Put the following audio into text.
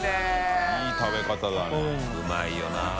うまいよな。